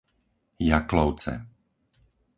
Jaklovce